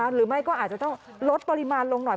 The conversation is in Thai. หรือไม่ก็อาจจะต้องลดปริมาณลงหน่อย